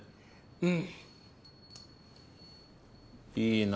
うん。